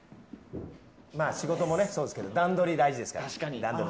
まあ仕事もそうですけど段取りが大事ですから。